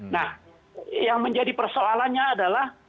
nah yang menjadi persoalannya adalah